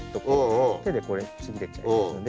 手でこれちぎれちゃいますんで。